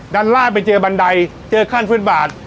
ด้านล่างไปเจอบันไดเจอขั้นฟุตบาท